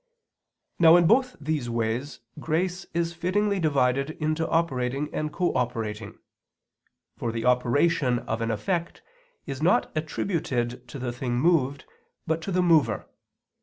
Now in both these ways grace is fittingly divided into operating and cooperating. For the operation of an effect is not attributed to the thing moved but to the mover.